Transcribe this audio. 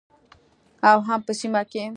او هم په سیمه کې